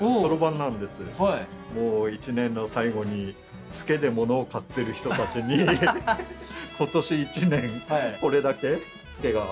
もう一年の最後にツケで物を買ってる人たちに今年一年これだけツケがたまってます